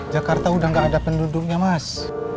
jakarta udah gak ada penduduknya mas